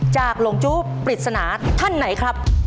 จากหลงจุภิษภณะท่านไหนครับ